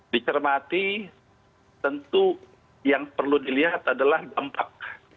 dicermati tentu yang perlu dilihat adalah dampak